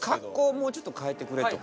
もうちょっと変えてくれとか。